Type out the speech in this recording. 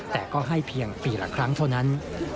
แต่ก็ให้เพียงปีละครั้งเท่านั้น